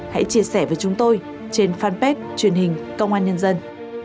hãy chia sẻ với chúng tôi trên fanpage truyền hình công an nhân dân